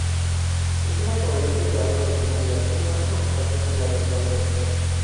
Es una corriente de agua de circulación más constante que la del torrente.